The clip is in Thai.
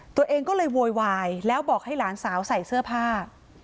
ตัวเองก็เลยโวยวายแล้วบอกให้หลานสาวใส่เสื้อผ้า